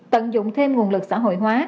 tận dụng thêm nguồn lực xã hội hóa